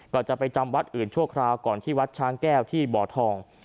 ก็จะไปจำวัดอื่นชั่วคราวก่อนที่วัดช้างแก้วที่บ่อทอง